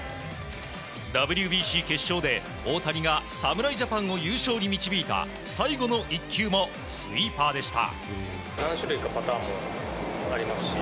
ＷＢＣ決勝で、大谷が侍ジャパンを優勝に導いた最後の１球もスイーパーでした。